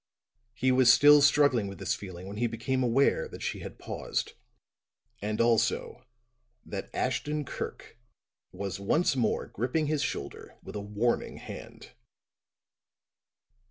He was still struggling with this feeling when he became aware that she had paused; and, also, that Ashton Kirk was once more gripping his shoulder with a warning hand.